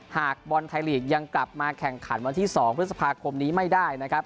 หากบอลไทยลีกยังกลับมาแข่งขันวันที่๒พฤษภาคมนี้ไม่ได้นะครับ